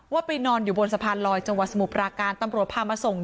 ไปนอนอยู่บนสะพานลอยจังหวัดสมุทรปราการตำรวจพามาส่ง